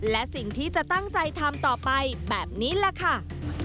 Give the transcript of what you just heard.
และสิ่งที่จะตั้งใจทำต่อไปแบบนี้แหละค่ะ